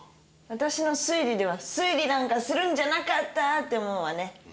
私の推理では推理なんかするんじゃなかったって思うわね。